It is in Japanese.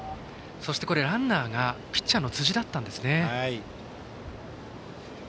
そして、ランナーがピッチャーの辻だったんですね。